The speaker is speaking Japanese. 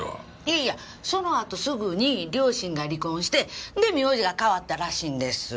いやいやそのあとすぐに両親が離婚してで名字が変わったらしいんです。